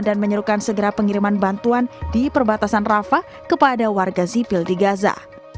dan menyerukan segera pengiriman bantuan di perbatasan rafah kepada warga zipil di gaza